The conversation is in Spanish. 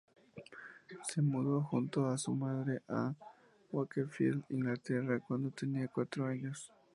Se mudó junto a su madre a Wakefield, Inglaterra cuando tenía cuatro años.